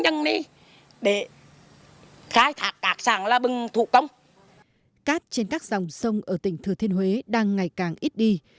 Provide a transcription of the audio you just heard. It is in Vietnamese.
cát trên các dòng sông ở tỉnh thừa thiên huế đang ngày càng ít đi